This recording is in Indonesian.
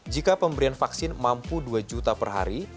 jika pemberian vaksin mampu dua juta per hari